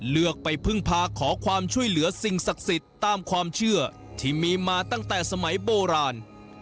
เลือกไปพึ่งพาขอความช่วยเหลือสิ่งศักดิ์สิทธิ์ตามความเชื่อที่มีมาตั้งแต่สมัยโบราณ